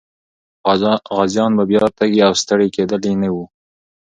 غازيان به بیا تږي او ستړي کېدلي نه وو.